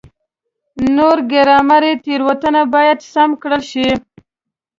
نورې ګرامري تېروتنې باید سمې کړل شي.